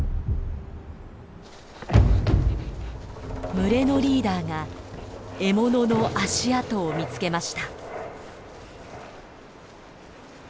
群れのリーダーが獲物の足跡を見つけました。